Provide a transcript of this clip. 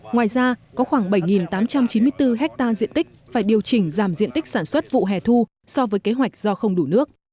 ngoài ra có khoảng bảy tám trăm chín mươi bốn ha diện tích phải điều chỉnh giảm diện tích sản xuất vụ hè thu so với kế hoạch do không đủ nước